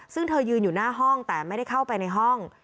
ซึ่งเธอยืนอยู่หน้าห้องแต่ไม่ได้เข้าไปในห้อง